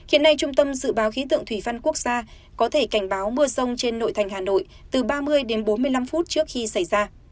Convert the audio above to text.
hiện nay trung tâm dự báo khí tượng thủy văn quốc gia có thể cảnh báo mưa rông trên nội thành hà nội từ ba mươi đến bốn mươi năm phút trước khi xảy ra